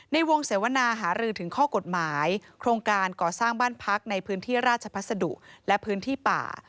ในวงเสวนาหารือถึงข้อกฎหมายโครงการก่อสร้างบ้านพักในพื้นที่ราชพัสดุและพื้นที่ป่า